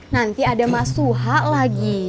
nanti tersayang mas suha